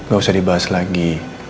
gak usah dibahas lagi